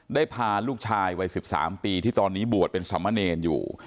ได้พาลูกชายวัย๑๓ปีที่ตอนนี้บวชเป็นสมเนรอยู่